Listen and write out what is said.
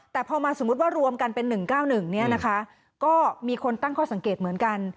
แต่พอมาสมมุติว่ารวมกันเป็น๑๙๑เนี่ยนะคะก็มีคนตั้งข้อสังเกตเหมือนกัน